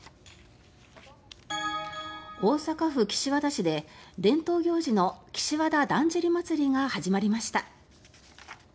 大阪府岸和田市で伝統行事の岸和田だんじり祭が始まりました。